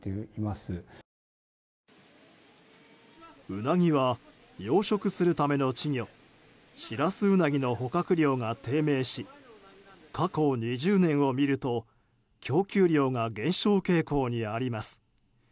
ウナギは養殖するための稚魚シラスウナギの捕獲量が低迷し過去２０年を見ると供給量が減少傾向にあります。